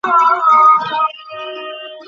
ওহ, হ্যা, না, আমি এটা জানতাম।